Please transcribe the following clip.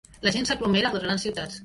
La gent s'aglomera a les grans ciutats.